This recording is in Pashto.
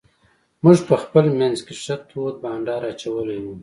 موږ په خپل منځ کې ښه تود بانډار اچولی وو.